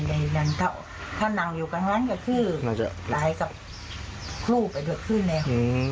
ในนั้นก็ถ้านั่งอยู่กันงั้นก็คือตายกับครูไปดีกว่าขึ้นแล้ว